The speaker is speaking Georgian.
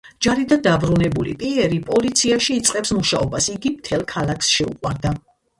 ჯარიდან დაბრუნებული პიერი პოლიციაში იწყებს მუშაობას, იგი მთელ ქალაქს შეუყვარდა.